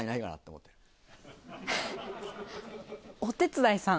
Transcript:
えっお手伝いさん？